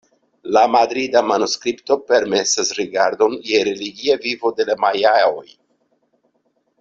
La Madrida manuskripto permesas rigardon je religia vivo de la majaoj.